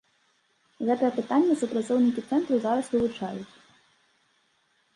Гэтае пытанне супрацоўнікі цэнтру зараз вывучаюць.